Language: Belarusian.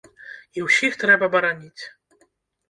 І ўсіх трэба бараніць.